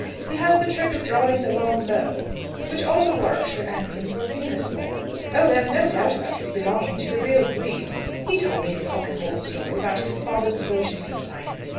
He has the trick of drawing the long bow, which all the Warwickshire Ancrams were famous for. Oh, there's no doubt about his belonging to the real breed! He told me a cock and a bull story about his father's devotion to science.